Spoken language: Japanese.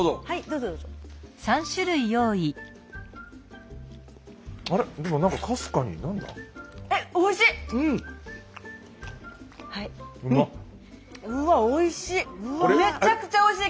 うわおいしい！